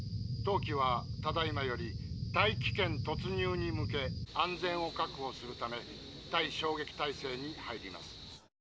当機はただいまより大気圏突入に向け安全を確保するため対衝撃態勢に入ります」。